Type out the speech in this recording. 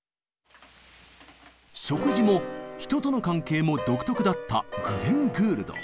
食事も人との関係も独特だったグレン・グールド。